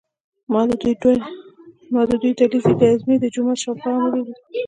ما د دوی ډله ییزې ګزمې د جومات شاوخوا هم ولیدلې.